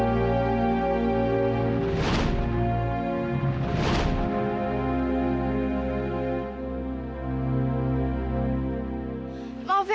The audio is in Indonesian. aku mau jalan